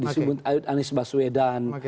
disebut ayudh anies baswedan